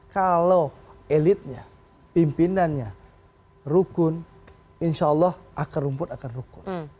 kalau elitnya pimpinannya rukun insya allah akar rumput akan rukun